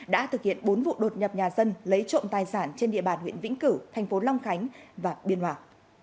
đã thực hiện bốn vụ đột nhập nhà dân lấy trộm tài sản trên địa bàn huyện vĩnh cửu thành phố long khánh và biên hoàng